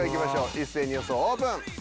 一斉に予想オープン！